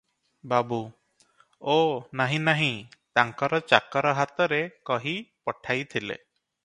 ବାବୁ – ଓ ନାହିଁ ନାହିଁ, ତାଙ୍କର ଚାକର ହାତରେ କହି ପଠାଇଥିଲେ ।